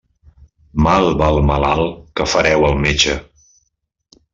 Mal va el malalt que fa hereu el metge.